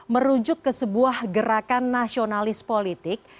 merujuk ke sebuah gerakan nasionalis politik